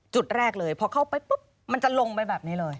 จุดแรกเลยพอเข้าไปปุ๊บมันจะลงไปแบบนี้เลย